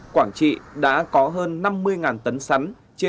quảng trị đã có hơn năm mươi tấn sắn